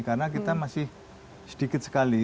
karena kita masih sedikit sekali